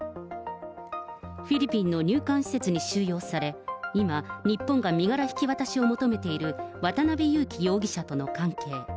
フィリピンの入管施設に収容され、今、日本が身柄引き渡しを求めている、渡辺優樹容疑者との関係。